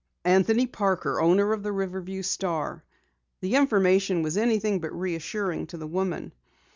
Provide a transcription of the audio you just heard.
"Anthony Parker, owner of the Riverview Star." The information was anything but reassuring to the woman.